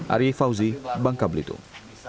aryi fauzi bangka blitung